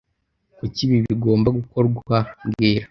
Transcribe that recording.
Kuki ibi bigomba gukorwa mbwira